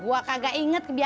kenapa bea gitu lagi